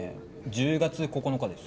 １０月９日です。